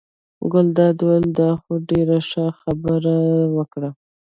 ګلداد وویل: دا خو دې ډېره ښه خبره وکړه.